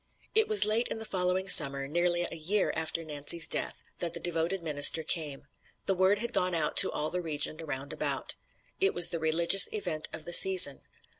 It was late in the following Summer, nearly a year after Nancy's death, that the devoted minister came. The word had gone out to all the region round about. It was the religious event of the season.